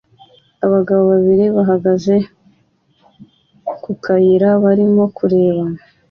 Abagabo babiri bahagaze ku kayira barimo kureba